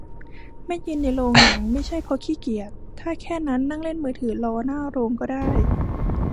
ไม่ยืนในโรงหนังไม่ใช่เพราะขี้เกียจ ถ้าแค่นั้นนั่งเล่นมือถือรอหน้าโรงก็ได้